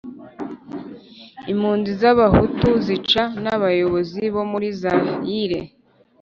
impunzi z'abahutu zica n'abayobozi bo muri zayire